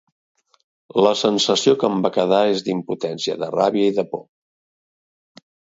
La sensació que em va quedar és d’impotència, de ràbia i de por.